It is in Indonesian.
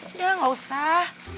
udah nggak usah